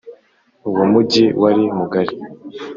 Uwo mugi wari mugari